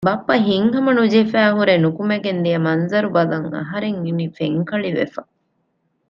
ބައްޕަ ހިތްހަމަނުޖެހިފައިހުރެ ނުކުމެގެންދިޔަ މަންޒަރު ބަލަން އަހަރެން އިނީ ފެންކަޅިވެފަ